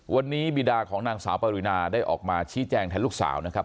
วันนี้บีดาของนางสาวปรินาได้ออกมาชี้แจงแทนลูกสาวนะครับ